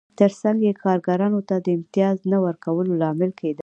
ترڅنګ یې کارګرانو ته د امتیاز نه ورکولو لامل کېده